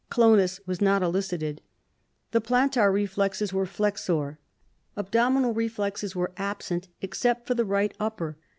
Clonus was not elicited. The plantar reflexes were flexor. Abdominal reflexes were absent, except for the right upper.